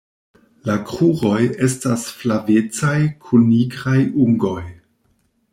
La kruroj estas flavecaj kun nigraj ungoj.